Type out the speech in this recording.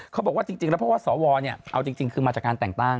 เขาบอกว่าจริงแล้วเพราะว่าสวเนี่ยเอาจริงคือมาจากการแต่งตั้ง